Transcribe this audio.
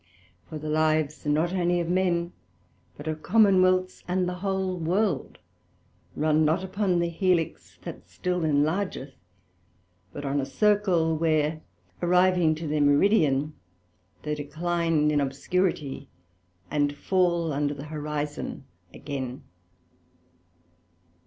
For the lives, not only of men, but of Commonwealths, and the whole World, run not upon an Helix that still enlargeth; but on a Circle, where arriving to their Meridian, they decline in obscurity, and fall under the Horizon again.